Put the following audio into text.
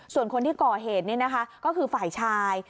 ส่วนคนที่ก่อเหตุนี้นะคะก็คือฝ่ายชาย